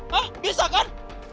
hah bisa kan